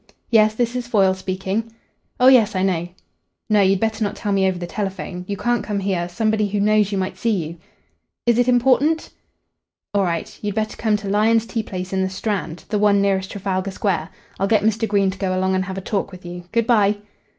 Yes, this is Foyle speaking. Oh yes, I know.... No, you'd better not tell me over the telephone. You can't come here. Somebody who knows you might see you.... Is it important?... All right. You'd better come to Lyon's tea place in the Strand the one nearest Trafalgar Square. I'll get Mr. Green to go along and have a talk with you. Good bye."